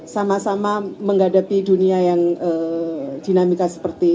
sama sama menghadapi dunia yang dinamika seperti